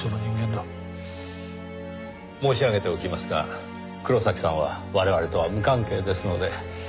申し上げておきますが黒崎さんは我々とは無関係ですので。